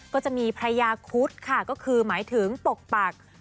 ก็จะมีพระยาคุดค่ะก็คือหมายถึงปกปัก